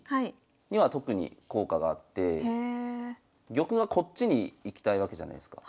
玉がこっちに行きたいわけじゃないすか。